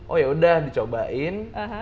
oh yaudah dicobain